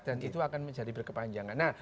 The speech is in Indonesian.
dan itu akan menjadi berkepanjangan